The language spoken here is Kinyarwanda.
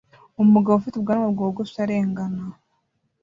Umugabo ufite ubwanwa bwogosha arengan